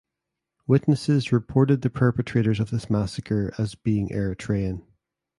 Witnesses reported the perpetrators of this massacre as being Eritrean.